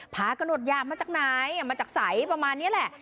พากระหนวดหยามมาจากไหนมาจากใสประมาณนี้แหละ